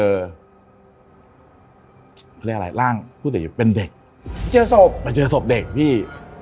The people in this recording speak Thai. เรียกอะไรร่างผู้เด็กอยู่เป็นเด็กเจอศพเจอศพเด็กพี่